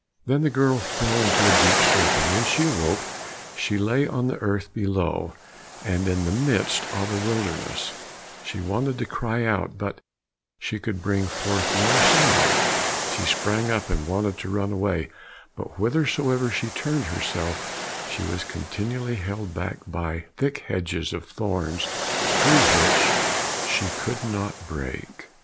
Then the girl fell into a deep sleep, and when she awoke she lay on the earth below, and in the midst of a wilderness. She wanted to cry out, but she could bring forth no sound. She sprang up and wanted to run away, but whithersoever she turned herself, she was continually held back by thick hedges of thorns through which she could not break.